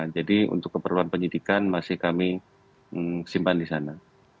jadi untuk keperluan penyidikan masih kami simpan di sana